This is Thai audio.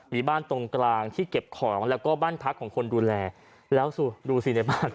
มีบ้านตรงกลางที่เก็บของแล้วก็บ้านพักของคนดูแลแล้วสิดูสิในบ้าน